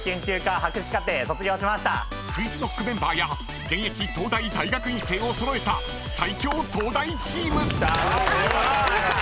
［ＱｕｉｚＫｎｏｃｋメンバーや現役東大大学院生を揃えた最強東大チーム！］